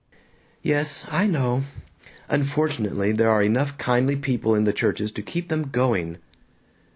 "Yes. I know. Unfortunately there are enough kindly people in the churches to keep them going."